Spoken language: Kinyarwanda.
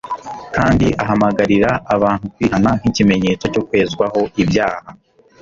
kandi ahamagarira abantu kwihana. Nk'ikimenyetso cyo kwezwaho ibyaha